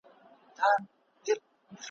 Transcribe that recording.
ولي کړئ دي په ما باندي یرغل دئ ؟